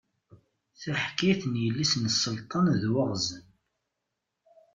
Taḥkayt n yelli-s n Selṭan d waɣzen.